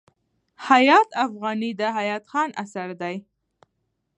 حیات افغاني د حیات خان اثر دﺉ.